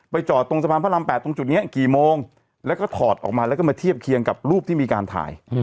จอดตรงสะพานพระราม๘ตรงจุดนี้กี่โมงแล้วก็ถอดออกมาแล้วก็มาเทียบเคียงกับรูปที่มีการถ่าย